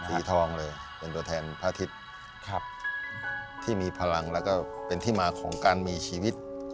สีทองเลยเป็นตัวแทนพระอาทิตย์ที่มีพลังแล้วก็เป็นที่มาของการมีชีวิต